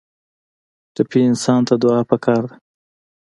ټپي انسان ته دعا پکار ده.